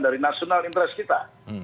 dari nasional interes kita